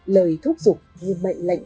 lời thúc giục như mệnh lệnh